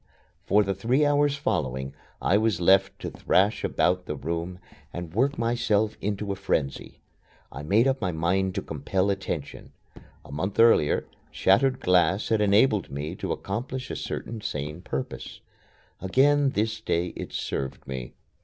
For the three hours following I was left to thrash about the room and work myself into a frenzy. I made up my mind to compel attention. A month earlier, shattered glass had enabled me to accomplish a certain sane purpose. Again this day it served me.